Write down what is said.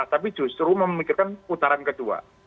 tapi justru memikirkan putaran kedua